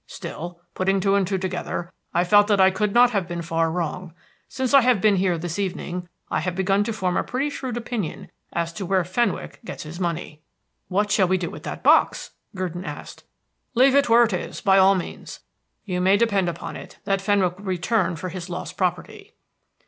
Still, putting two and two together, I felt that I could not have been far wrong. Since I have been here this evening, I have begun to form a pretty shrewd opinion as to where Fenwick gets his money." "What shall we do with that box?" Gurdon asked. "Leave it where it is, by all means. You may depend upon it that Fenwick will return for his lost property."